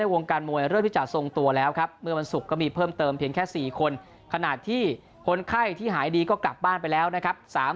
ในวงการมวยเลิศผิดจากส่งตัวแล้วครับมือสุกก็มีเพิ่มเติมเพียงแค่๔คนขนาดที่คนไข้ที่หายดีก็กลับบ้านไปแล้วนะครับ